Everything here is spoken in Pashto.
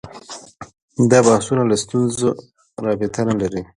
دا بحثونه له ستونزو رابطه نه لري